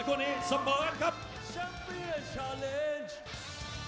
ชัมเปียร์ชาเลนจ์